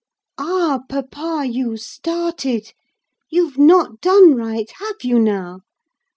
Ah, papa, you started! you've not done right, have you, now?